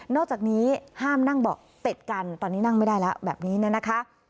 อกจากนี้ห้ามนั่งเบาะติดกันตอนนี้นั่งไม่ได้แล้วแบบนี้เนี่ยนะคะ